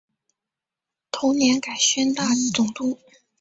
同年改宣大总督。